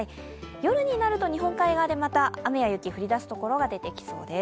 夜になると日本海側で雨や雪、降り出すところが出てきそうです。